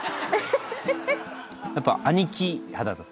やっぱ。